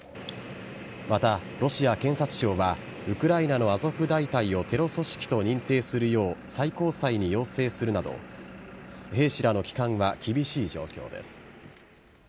また、ロシア検察庁はウクライナのアゾフ大隊をテロ組織と認定するよう最高裁に要請するなど兵士らの帰還は厳しい状況です。